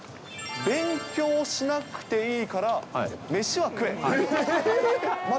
勉強しなくていいから、飯は食え！